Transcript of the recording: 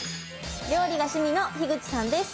料理が趣味の樋口さんです。